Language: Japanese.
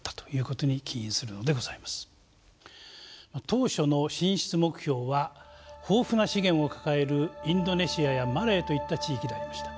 当初の進出目標は豊富な資源を抱えるインドネシアやマレーといった地域でありました。